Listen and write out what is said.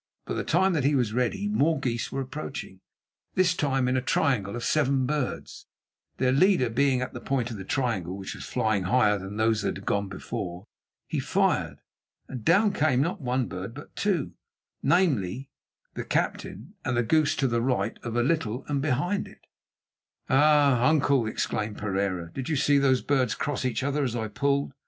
By the time that he was ready more geese were approaching, this time in a triangle of seven birds, their leader being at the point of the triangle, which was flying higher than those that had gone before. He fired, and down came not one bird, but two, namely, the captain and the goose to the right of and a little behind it. "Ah! uncle," exclaimed Pereira, "did you see those birds cross each other as I pulled?